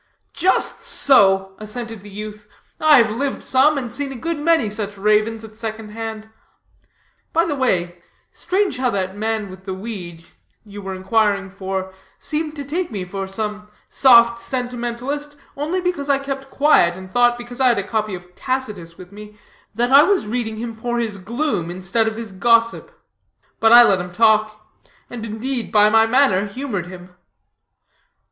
"Just so," assented the youth. "I've lived some, and seen a good many such ravens at second hand. By the way, strange how that man with the weed, you were inquiring for, seemed to take me for some soft sentimentalist, only because I kept quiet, and thought, because I had a copy of Tacitus with me, that I was reading him for his gloom, instead of his gossip. But I let him talk. And, indeed, by my manner humored him."